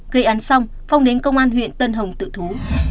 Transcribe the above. gây án xong phong đến công an huyện tân hồng tự thú